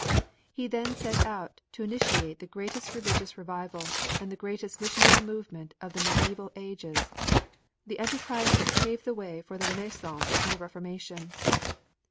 He then set out to initiate the greatest religious revival and the greatest missionary movement of the mediæval ages the enterprise that paved the way for the Renaissance and the Reformation.